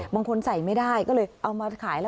บางคนใส่ไม่ได้ก็เลยเอามาขายแล้ว